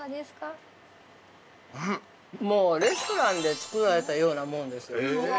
◆もう、レストランで作られたようなもんですよ。